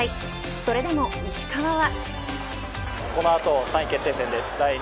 それでも石川は。